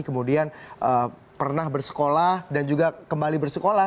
kemudian pernah bersekolah dan juga kembali bersekolah